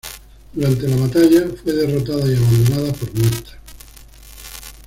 Durante la batalla, fue derrotada y abandonada por muerta.